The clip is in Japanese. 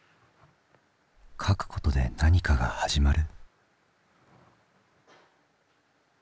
書くことで何かが始まる？